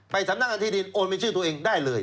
สำนักงานที่ดินโอนเป็นชื่อตัวเองได้เลย